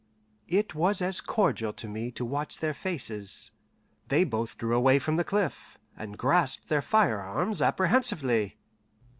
It was as cordial to me to watch their faces. They both drew away from the cliff, and grasped their firearms apprehensively.